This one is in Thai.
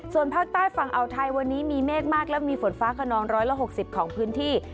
ส่วนภาคใต้ฝั่งอ่าวไทยวันนี้มีเมฆมากและมีฝนฟ้าขนอง๑๖๐ของพื้นที่